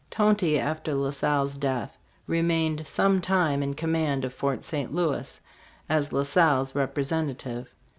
Tonty after La Salle's death, remained some time in command of Fort St. Louis as La Salle's representative.